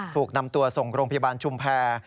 ถูกนำตัวส่งโรงพยาบาลชุมแพร